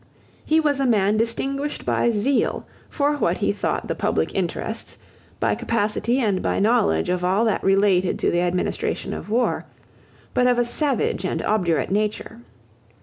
He was a man distinguished by zeal for what he thought the public interests, by capacity, and by knowledge of all that related to the administration of war, but of a savage and obdurate nature.